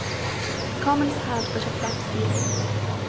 The Commons had but a flat ceiling.